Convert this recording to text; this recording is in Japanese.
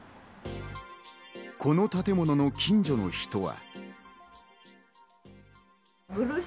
この建物の近所の人は。